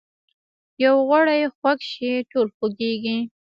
یو غړی خوږ شي ټول خوږیږي